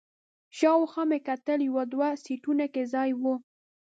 شاوخوا مې وکتل، یو دوه سیټونو کې ځای و.